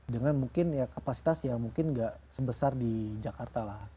dengan mungkin ya kapasitas yang mungkin nggak sebesar di jakarta lah